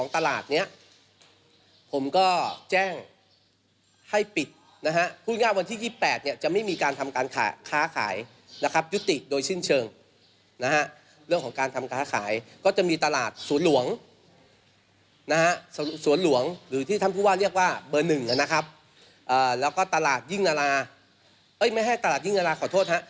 ตลาดยิ่งเงินละครับขอโทษครับตลาดรุ่งวานิดนะฮะ